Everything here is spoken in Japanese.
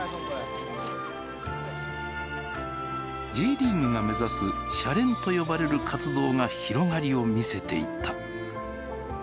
Ｊリーグが目指す「シャレン！」と呼ばれる活動が広がりを見せていった。